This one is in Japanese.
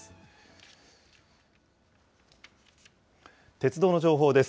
鉄道の情報です。